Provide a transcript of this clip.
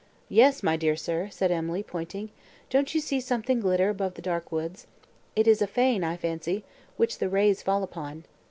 "Yes, my dear sir," said Emily, pointing, "don't you see something glitter above the dark woods? It is a fane, I fancy, which the rays fall upon."